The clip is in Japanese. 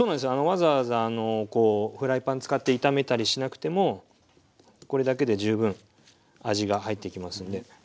わざわざフライパン使って炒めたりしなくてもこれだけで十分味が入っていきますんで。